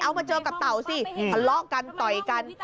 เอามาเจอกับเตาสิล้อกันต่อยกัน